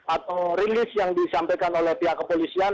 atau rilis yang disampaikan oleh pihak kepolisian